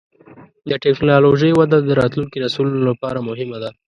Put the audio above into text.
د ټکنالوجۍ وده د راتلونکي نسلونو لپاره مهمه ده.